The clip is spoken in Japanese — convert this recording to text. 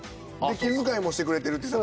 で気遣いもしてくれてる。